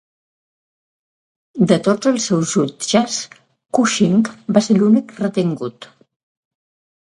De tots els seus jutges, Cushing va ser l'únic retingut.